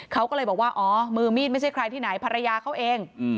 เขาก็เลยบอกว่าอ๋อมือมีดไม่ใช่ใครที่ไหนภรรยาเขาเอง